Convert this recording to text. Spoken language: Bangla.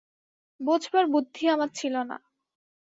বোঝবার বুদ্ধি আমার ছিল না।